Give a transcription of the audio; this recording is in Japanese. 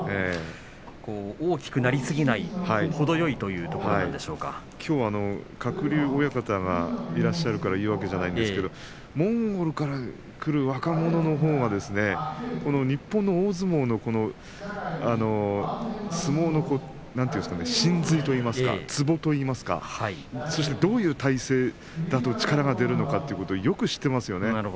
大きくなりすぎない程よいというきょうは鶴竜親方がいらっしゃるから言うわけではないんですけどモンゴルから来る若者のほうが日本の大相撲の相撲の神髄といいますか、つぼいいますかどういう体勢だと力が出るのかということをよく知ってますよね。